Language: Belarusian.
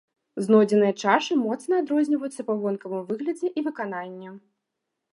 Знойдзеныя чашы моцна адрозніваюцца па вонкавым выглядзе і выкананні.